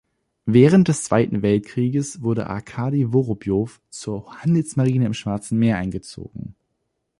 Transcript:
Während des Zweiten Weltkrieges wurde Arkadi Worobjow zur Handelsmarine im Schwarzen Meer eingezogen.